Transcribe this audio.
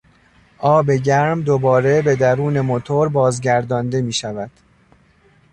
آب گرم دوباره به درون موتور بازگردانده میشود.